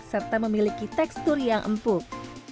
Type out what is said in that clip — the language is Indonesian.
serta memiliki tekstur yang empuk